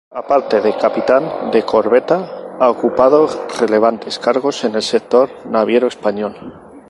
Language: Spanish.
Aparte de capitán de corbeta ha ocupado relevantes cargos en el sector naviero español.